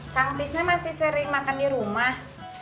kang bisnya masih sering makan di rumah